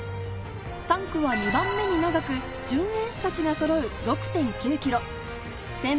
３区は２番目に長く準エースたちがそろう６．９ｋｍ。